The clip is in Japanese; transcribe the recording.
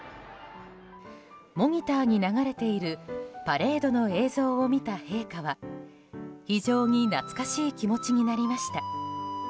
モニターに流れているパレードの映像を見た陛下は非常に懐かしい気持ちになりました。